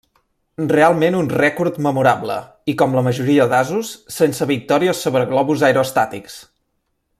Realment un rècord memorable, i com la majoria d'asos, sense victòries sobre globus aerostàtics.